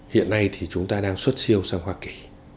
hiện nay thì chúng ta đang xuất siêu sang hoa kỳ